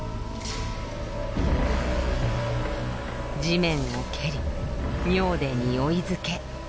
地面を蹴り尿でにおい付け。